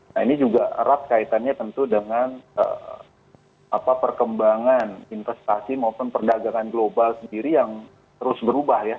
nah ini juga erat kaitannya tentu dengan perkembangan investasi maupun perdagangan global sendiri yang terus berubah ya